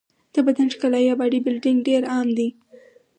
د بدن ښکلا یا باډي بلډینګ ډېر عام دی.